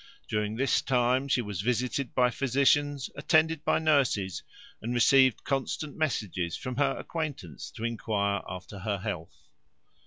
During this time she was visited by physicians, attended by nurses, and received constant messages from her acquaintance to enquire after her health.